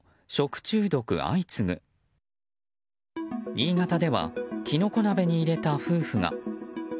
新潟ではキノコ鍋に入れた夫婦が。